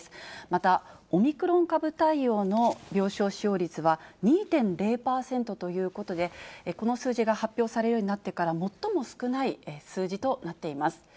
またオミクロン株対応の病床使用率は、２．０％ということで、この数字が発表されるようになってから最も少ない数字となっています。